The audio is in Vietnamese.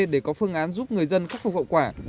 để có phương án giúp người dân khắc phục hậu quả